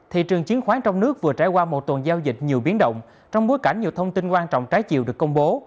thị trường chiến khoán trong nước vừa trải qua một tuần giao dịch nhiều biến động trong bối cảnh nhiều thông tin quan trọng trái chiều được công bố